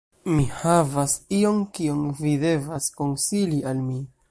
Mi havas ion kion vi devas konsili al mi